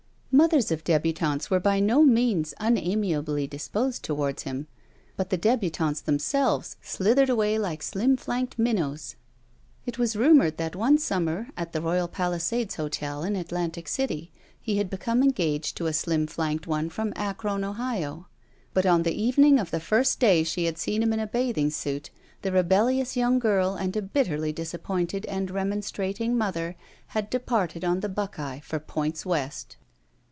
Mothers of d6butantes were by no means unami ably disposed toward him, but the debutantes th^nselves slithered away like slim flanked minnows. It was rumored that one summer at the Royal Palisades Hotel in Atlantic City he had become engaged to a slim flanked one from Akron, Ohio. But on the evening of the first day she had seen him in a bathing suit the rebellious young girl and a bitterly disappointed and remonstrating mother had departed on the Buck Eye for ''points west."